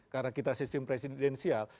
karena kita sistem presidensial